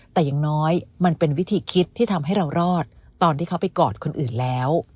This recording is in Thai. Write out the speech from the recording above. แต่อย่างน้อยมันเป็นวิธีคิดที่ทำให้เรารอดตอนที่เขาไปกอดคนอื่นแล้ว